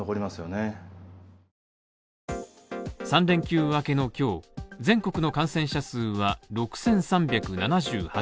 ３連休明けの今日、全国の感染者数は６３７８人。